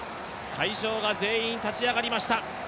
会場が全員立ち上がりました。